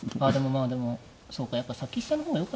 まあでもそうかやっぱ先飛車の方がよかったですか。